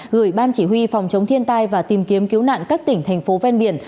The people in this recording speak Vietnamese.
gửi ban chỉ huy phòng chống thiên tai và tìm kiếm cứu nạn các tỉnh thành phố ven biển